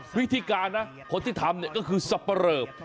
วิธีการนะคนที่ทำเนี่ยก็คือสับประเริบ